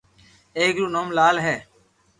اآڪ رو نوم لال ھي